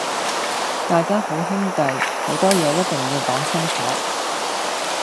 大家好兄弟，好多嘢一定要講清楚